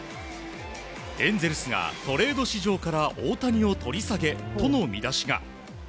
エンゼルスがトレード市場から大谷を取り下げとの見出しが。